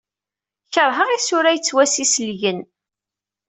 Keṛheɣ isura yettwassiselgen.